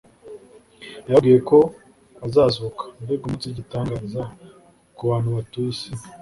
yababwiye ko azazuka "Mbega umunsi w'igitangaza ku bantu batuye isi!